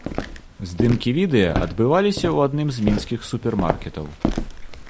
Здымкі відэа адбываліся ў адным з мінскіх супермаркетаў.